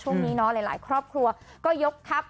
ช่วงนี้เนาะหลายครอบครัวก็ยกทัพ